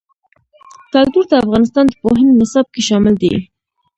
کلتور د افغانستان د پوهنې نصاب کې شامل دي.